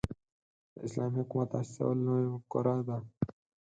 د اسلامي حکومت تاسیسول نوې مفکوره ده.